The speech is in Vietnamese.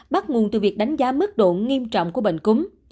bắt nguồn từ việc đánh giá mức độ nghiêm trọng của bệnh cúm